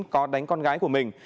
có đánh con gái của mình